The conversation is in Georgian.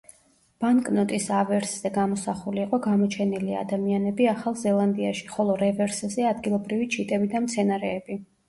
ბანკნოტის ავერსზე გამოსახული იყო გამოჩენილი ადამიანები ახალ ზელანდიაში, ხოლო რევერსზე ადგილობრივი ჩიტები და მცენარეები.